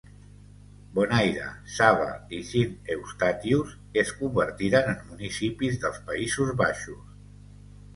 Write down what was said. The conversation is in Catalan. Bonaire, Saba i Sint Eustatius es convertiren en municipis dels Països Baixos.